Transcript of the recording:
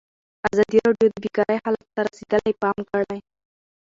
ازادي راډیو د بیکاري حالت ته رسېدلي پام کړی.